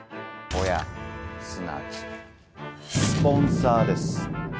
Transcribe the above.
親すなわちスポンサーです。